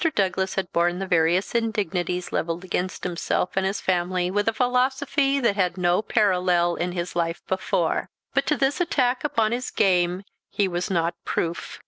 Douglas had borne the various indignities levelled against himself and his family with a philosophy that had no parallel in his life before; but to this attack upon his game he was not proof.